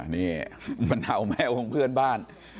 นี่มะนาวแมวของเพื่อนบ้าน